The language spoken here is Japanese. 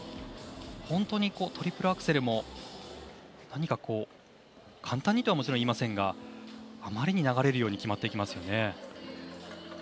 本当にトリプルアクセルも何か簡単にとは言いませんがあまりに流れるように決まっていきますよね。